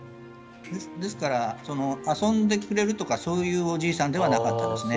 ですからその遊んでくれるとかそういうおじいさんではなかったですね。